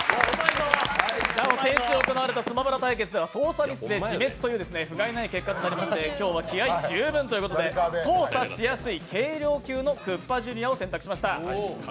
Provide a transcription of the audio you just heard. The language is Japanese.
先週行われた「スマブラ」対決では操作ミスで自滅というふがいない結果となりましたので今日は気合い十分ということで操作しやすい軽量級クッパＪｒ．を選択しました。